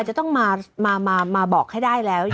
จะต้องมาบอกให้ได้แล้ว